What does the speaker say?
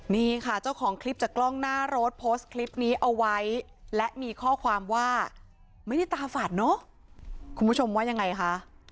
นี่ค่ะเจ้าของคลิปจากกล้องหน้ารถโพสต์คลิปนี้เอาไว้และมีข้อความว่าไม่ได้ตาฝาดเนอะคุณผู้ชมว่ายังไงคะ